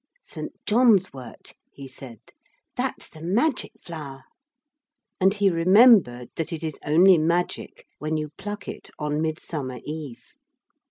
'St. John's wort,' he said, 'that's the magic flower.' And he remembered that it is only magic when you pluck it on Midsummer Eve.